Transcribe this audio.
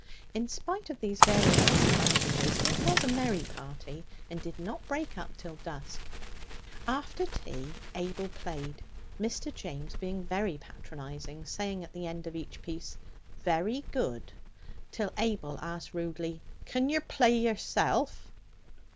In spite of these various disadvantages, it was a merry party, and did not break up till dusk. After tea Abel played, Mr. James being very patronizing, saying at the end of each piece, 'Very good'; till Abel asked rudely, 'Can yer play yourself?'